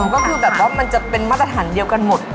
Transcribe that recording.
ก็คือแบบว่ามันจะเป็นมาตรฐานเดียวกันหมด